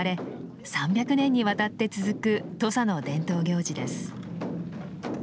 ３００年にわたって続く土佐の伝統行事です。